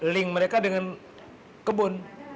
link mereka dengan kebun